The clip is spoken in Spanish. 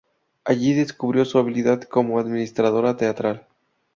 Allí descubrió su habilidad como administradora teatral.